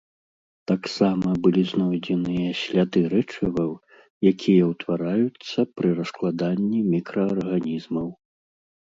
Таксама былі знойдзеныя сляды рэчываў, якія ўтвараюцца пры раскладанні мікраарганізмаў.